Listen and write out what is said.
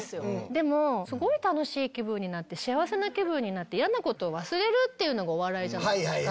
でもすごい楽しい気分になって幸せな気分になって嫌なこと忘れるっていうのがお笑いじゃないですか。